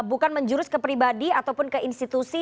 bukan menjurus ke pribadi ataupun ke institusi